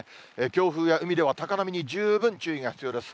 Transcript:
強風や海では高波に十分注意が必要です。